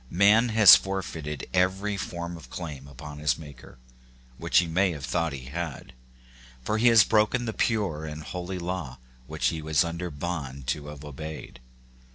Man has forfeited every form of claim upon his Maker, which he may have thought he had ; for he has broken the pure and holy law which he was under bond to have obeyed.